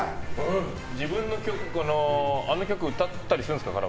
自分の曲あの曲歌ったりするんですか。